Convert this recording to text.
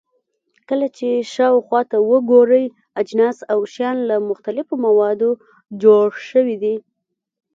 کله چې شاوخوا ته وګورئ، اجناس او شیان له مختلفو موادو جوړ شوي دي.